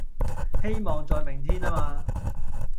希望在明天啊嘛